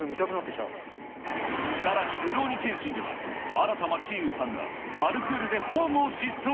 さらにるろうに剣心では、新真剣佑さんが、パルクールでホームを疾走。